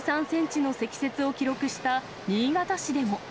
１３センチの積雪を記録した新潟市でも。